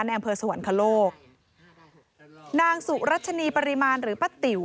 อำเภอสวรรคโลกนางสุรัชนีปริมาณหรือป้าติ๋ว